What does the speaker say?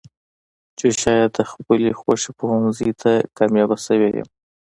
چې شايد د خپلې خوښې پوهنځۍ ته کاميابه شوې يم.